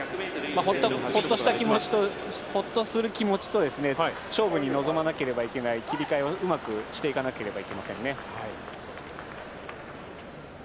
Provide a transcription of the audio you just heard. ほっとした気持ちと勝負に臨まなければいけない切り換えをうまくしていかなければいけません。